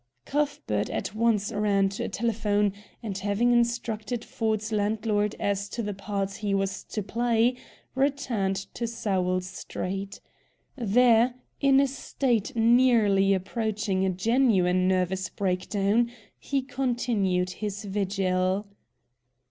Cuthbert at once ran to a telephone, and, having instructed Ford's landlord as to the part he was to play, returned to Sowell Street. There, in a state nearly approaching a genuine nervous breakdown, he continued his vigil.